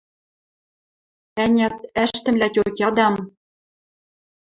— Ӓнят, ӓштӹмлӓ тьотядам